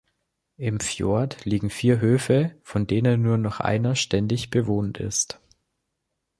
Im Fjord liegen vier Höfe, von denen nur noch einer ständig bewohnt ist.